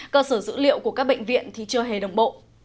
cơ sở dữ liệu của các bệnh viện thì chưa hề đồng bộ